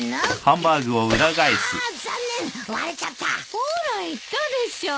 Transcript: ほーら言ったでしょ。